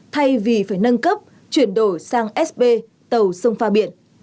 thay vì phải nâng cấp chuyển đổi sang sb tàu sông pha biển